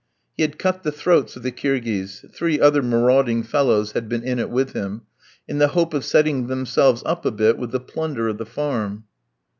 He had cut the throats of the Kirghiz three other marauding fellows had been in it with him in the hope of setting themselves up a bit with the plunder of the farm.